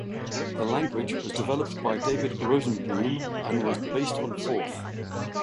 The language was developed by David Rosenboom and was based on Forth.